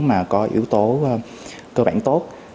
mà có yếu tố cơ bản tốt